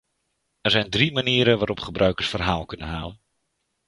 Er zijn drie manieren waarop gebruikers verhaal kunnen halen.